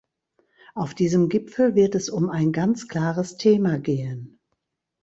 Auf diesem Gipfel wird es um ein ganz klares Thema gehen.